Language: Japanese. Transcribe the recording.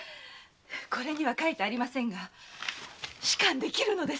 これには書いてありませんが仕官できるのです。